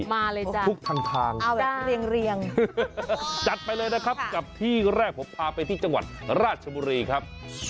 มาเลยจ้ะทุกทางเอาแบบเรียงจัดไปเลยนะครับกับที่แรกผมพาไปที่จังหวัดราชบุรีครับ